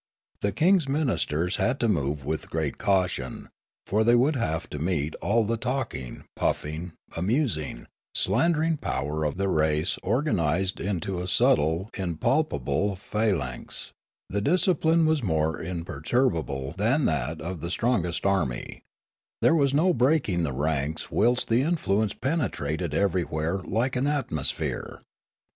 The king's ministers had to move' with great caution, for they would have to meet all the talking, puffing, amusing, slandering power of the race organised into a subtle impalpable phalanx ; the dis cipline was more imperturbable than that of the strong est army; there was no breaking the ranks whilst the influence penetrated everywhere like an atmosphere.